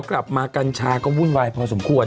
กลับมากัญชาก็วุ่นวายพอสมควร